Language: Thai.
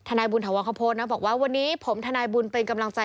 ธนายบุญถวงคพลบอกว่าวันนี้ผมธนายบุญเป็นกำลังใจ